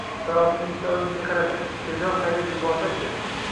Sarosima ichida oyimga qaradim: tezroq haydab yuborsa-chi!